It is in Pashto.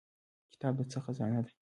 کتاب د څه خزانه ده؟